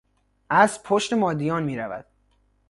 اسب پشت مادیان میرود.